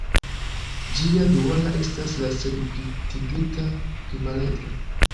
Ĝia duala estas la senpintigita kvaredro.